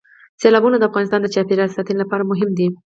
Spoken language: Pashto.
سیلابونه د افغانستان د چاپیریال ساتنې لپاره مهم دي.